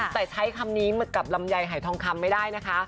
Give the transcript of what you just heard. แต่ใช้คำนี้กับลำไยหายทองคำไม่ได้นะคะ